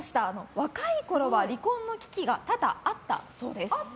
若いころは離婚の危機が多々あったそうです。